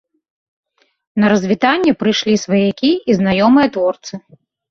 На развітанне прыйшлі сваякі і знаёмыя творцы.